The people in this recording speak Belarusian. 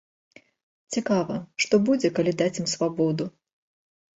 Цікава, што будзе, калі даць ім свабоду?